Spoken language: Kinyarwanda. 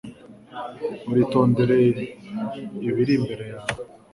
uzitondere ibiri imbere yawe